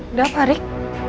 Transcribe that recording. udah apa rik